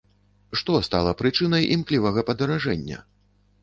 Што стала прычынай імклівага падаражэння?